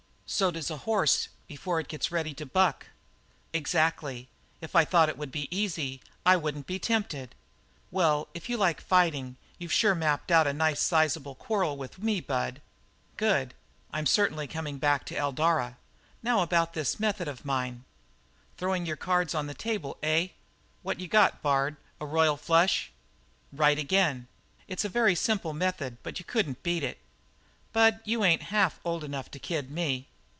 "So does a horse before it gets ready to buck." "Exactly. If I thought it would be easy I wouldn't be tempted." "Well, if you like fighting you've sure mapped out a nice sizeable quarrel with me, Bud." "Good. I'm certainly coming back to Eldara. Now about this method of mine " "Throwing your cards on the table, eh? What you got, Bard, a royal flush?" "Right again. It's a very simple method but you couldn't beat it." "Bud, you ain't half old enough to kid me."